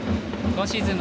今シーズン